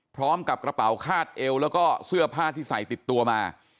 พร้อมกับกระเป๋าคาดเอวแล้วก็เสื้อผ้าที่ใส่ติดตัวมา